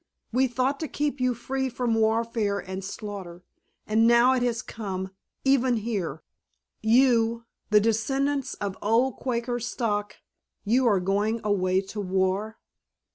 We thought to keep you free from warfare and slaughter! And now it has come—even here! You—the descendants of old Quaker stock—you are going away to war!"